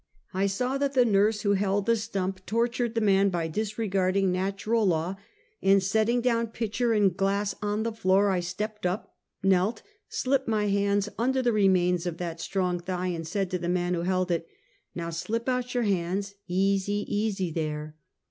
I saw that the nurse who held the stump tortured the man bj disregarding natural law, and setting down pitcher and glass on the floor, I stepped up, knelt, slipped my hands under the remains of that strong thigh, and said to the man who held it: " ITow, slip out your hands ! easy! easy! there!